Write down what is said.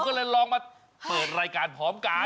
ก็เลยลองมาเปิดรายการพร้อมกัน